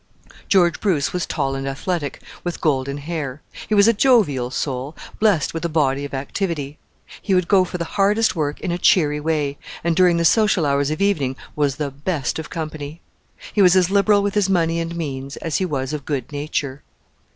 George Bruce was tall and athletic, with golden hair. He was a jovial soul, blessed with a body of activity. He would go for the hardest work in a cheery way, and during the social hours of evening was the best of company. He was as liberal with his money and means as he was of good nature.